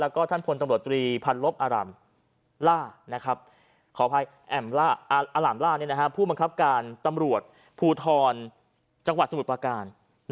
แล้วก็ท่านพลตำรวจตรีพันลบอารามล่าขออภัยแอมล่าผู้บังคับการตำรวจภูทรจังหวัดสมุทรประการ